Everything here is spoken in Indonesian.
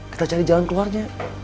kita cari jalan keluarnya